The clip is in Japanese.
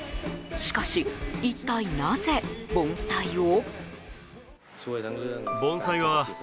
しかし、一体なぜ盆栽を？